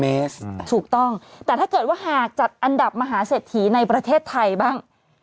ถูกต้องแต่ถ้าเกิดว่าหากจัดอันดับมหาเศรษฐีในประเทศไทยบ้าง